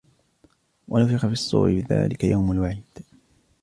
ونفخ في الصور ذلك يوم الوعيد